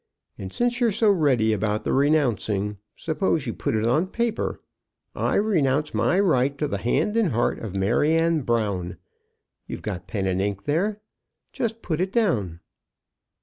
And since you're so ready about the renouncing, suppose you put it on paper 'I renounce my right to the hand and heart of Maryanne Brown.' You've got pen and ink there; just put it down."